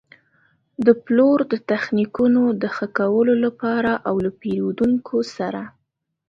د پلور د تخنیکونو د ښه کولو لپاره او له پېرېدونکو سره.